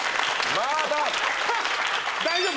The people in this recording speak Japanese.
大丈夫？